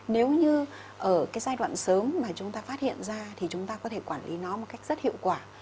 nếu như ở cái giai đoạn sớm mà chúng ta phát hiện ra thì chúng ta có thể quản lý nó một cách rất hiệu quả